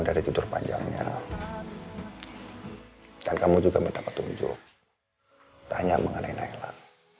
dari tidur panjangnya dan kamu juga minta petunjuk tanya mengenai nailah